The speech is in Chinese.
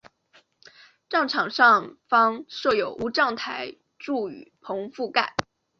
站场上方设有无站台柱雨棚覆盖。